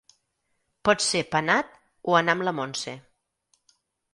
Pot ser penat o anar amb la Montse.